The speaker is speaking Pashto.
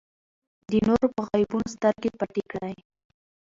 د نورو په عیبونو سترګې پټې کړئ.